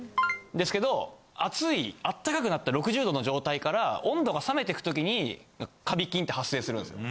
ですけど熱いあったかくなった６０℃の状態から温度が冷めてくときにカビ菌って発生するんですよ。